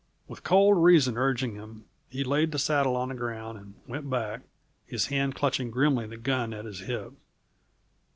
With cold reason urging him, he laid the saddle on the ground and went back, his hand clutching grimly the gun at his hip.